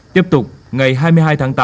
tiếp tục ngày hai mươi hai tháng tám